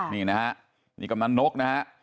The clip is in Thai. นี่นะฮะนี่กำนันนกนะฮะ